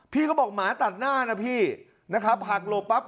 พี่ก็บอกหมาตัดหน้านะพี่นะครับหักหลบปั๊บ